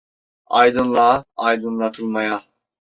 Aydınlığa, aydınlatılmaya.